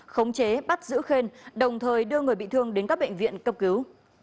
khống chế bắt giữ khen đồng thời đưa người bị thương đến các bệnh viện cấp cứu